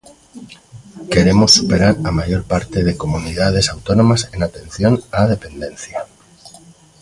Queremos superar a maior parte de comunidades autónomas en atención á dependencia.